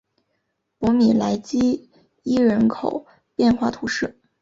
博米莱基伊人口变化图示